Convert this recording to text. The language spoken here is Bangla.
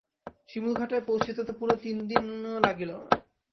শিমুলঘাটায় পৌঁছিতে পুরা তিন দিনও লাগিল না।